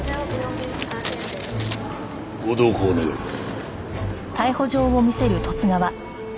ご同行願います。